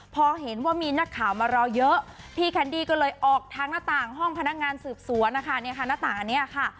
พอเห็นว่ามีหน้าข่าวมารอเยอะพี่แคนดี้ก็เลยออกทางหน้าต่างห้องพนักงานสืบสวนนะคะ